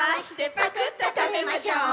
「パクっとたべましょう」